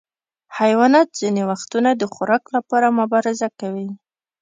حیوانات ځینې وختونه د خوراک لپاره مبارزه کوي.